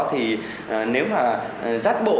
thì nếu mà giác bộ